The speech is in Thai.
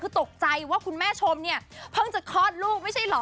คือตกใจว่าคุณแม่ชมเนี่ยเพิ่งจะคลอดลูกไม่ใช่เหรอ